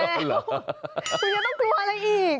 คุณยังต้องกลัวอะไรอีก